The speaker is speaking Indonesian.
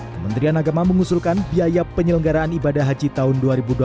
kementerian agama mengusulkan biaya penyelenggaraan ibadah haji tahun dua ribu dua puluh